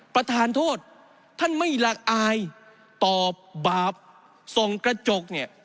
ประธานโทษท่านไม่ละอายตอบบาปส่งกระจกเนี่ย